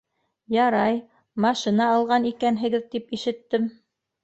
Ярай, машина алған икәнһегеҙ тип ишеттем.